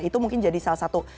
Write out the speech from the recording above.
itu mungkin jadi salah satu